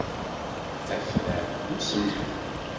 Afran n usentel.